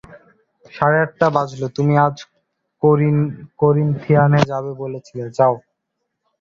সাড়ে আটটা বাজল, তুমি আজ কোরিন্থিয়ানে যাবে বলেছিলে, যাও।